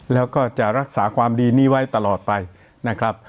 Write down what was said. แล้วก็จะรักษาความดีนี้ไว้ตลอดไปนะครับ